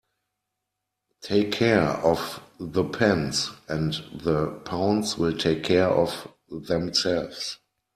Take care of the pence and the pounds will take care of themselves.